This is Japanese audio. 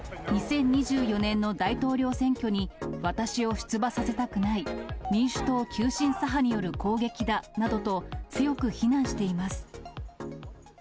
２０２４年の大統領選挙に、私を出馬させたくない民主党急進左派による攻撃だなどと、強く非難しています。